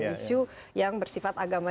isu yang bersifat agama